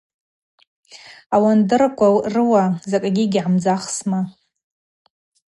Ауандырква рыуа закӏгьи гьгӏамдзахсма?